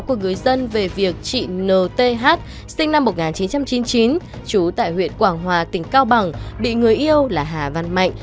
công an thị xã việt yên tiếp nhận tin báo của người dân về việc chị nô tê hát sinh năm một nghìn chín trăm chín mươi chín chú tại huyện quảng hòa tỉnh cao bằng bị người yêu là hà văn mạnh